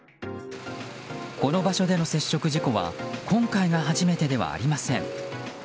この場所での接触事故は今回が初めてではありません。